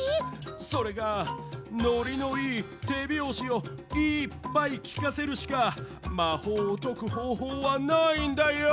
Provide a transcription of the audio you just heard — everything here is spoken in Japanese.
それがノリのいいてびょうしをいっぱいきかせるしかまほうをとくほうほうはないんだヨー！